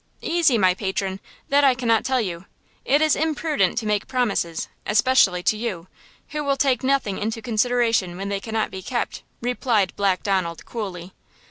"Easy, my patron, That I cannot tell you. It is imprudent to make promises, especially to you, who will take nothing into consideration when they cannot be kept," replied Black Donald, coolly.